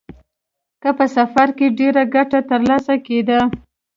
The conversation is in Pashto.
که په سفر کې ډېره ګټه ترلاسه کېده.